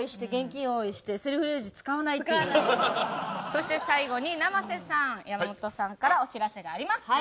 そして最後に生瀬さん山本さんからお知らせがあります。